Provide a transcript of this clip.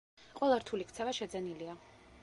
ყველა რთული ქცევა შეძენილია.